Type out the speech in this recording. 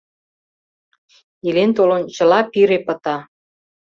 — Илен-толын, чыла пире пыта.